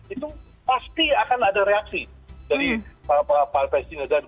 itu pasti akan ada reaksi dari palestina